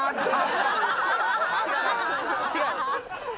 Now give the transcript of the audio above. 違う？